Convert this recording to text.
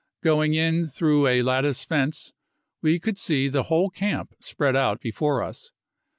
Going in through a lattice fence, we could see the whole camp spread out before us.